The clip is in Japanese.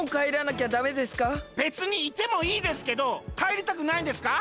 べつにいてもいいですけどかえりたくないんですか？